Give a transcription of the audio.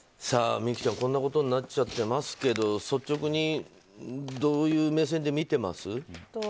美姫ちゃん、こんなことになっちゃっていますけど率直にどういう目線で見ています？